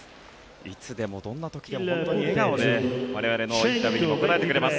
いつでもどんな時でも我々のインタビューにも答えてくれます。